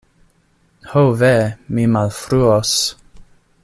Ho, ve! mi malfruos!